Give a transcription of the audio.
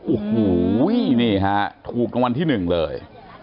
โอ้โหนี่ฮะถูกรางวัลที่๑เลย